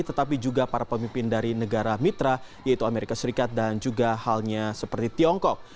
tetapi juga para pemimpin dari negara mitra yaitu amerika serikat dan juga halnya seperti tiongkok